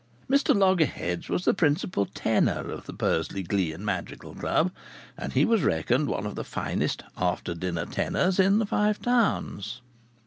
Mr Loggerheads was the principal tenor of the Bursley Glee and Madrigal Club. And he was reckoned one of the finest "after dinner tenors" in the Five Towns.